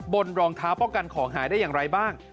รองเท้าป้องกันของหายได้อย่างไรบ้าง